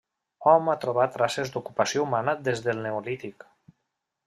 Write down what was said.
Hom a trobat traces d'ocupació humana des del neolític.